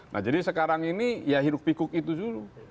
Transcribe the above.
nah jadi sekarang ini ya hiruk pikuk itu dulu